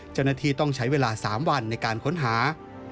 เจ้าหน้าที่ต้องใช้เวลา๓วันในการค้นหา